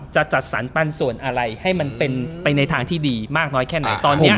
จะจัดสรรปั้นส่วนอะไรให้มันเป็นทางที่ดีมากน้อยแค่ไหน